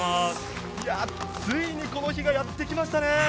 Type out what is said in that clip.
ついにこの日がやってきましたね。